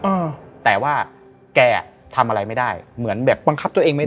เออแต่ว่าแกอ่ะทำอะไรไม่ได้เหมือนแบบบังคับตัวเองไม่ได้